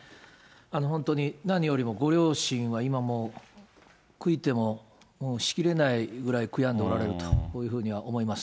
本当に何よりもご両親は今もう悔いてもしきれないぐらい悔やんでおられるというふうには思います。